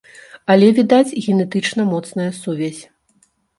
Але, відаць, генетычна моцная сувязь.